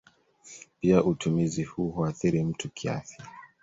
Pia utumizi huu huathiri mtu kiafya.